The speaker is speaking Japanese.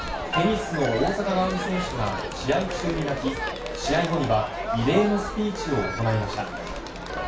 テニスの大坂なおみ選手が試合中に泣き、試合後には異例のスピーチを行いました。